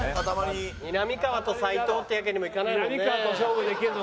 みなみかわと斉藤というわけにもいかないもんね。